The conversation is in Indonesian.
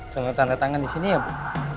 kalau tanda tangan di sini ya bu